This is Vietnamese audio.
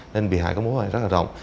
nên bị hại có mối hại rất là rộng